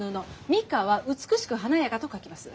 「美華」は美しく華やかと書きます。